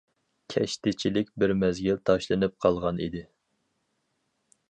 كەشتىچىلىك بىر مەزگىل تاشلىنىپ قالغان ئىدى.